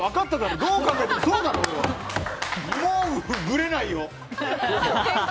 もうぶれないよ！